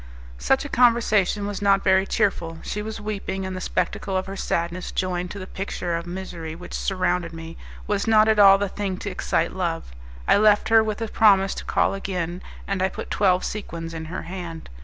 Such a conversation was not very cheerful; she was weeping, and the spectacle of her sadness, joined to the picture of misery which surrounded me, was not at all the thing to excite love. I left her with a promise to call again, and I put twelve sequins in her hand.